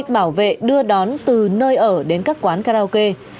bảo vệ đưa đón từ nơi ở đến các quán karaoke